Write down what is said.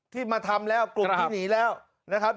ที่มาทำแล้วกลุ่มที่หนีแล้วนะครับ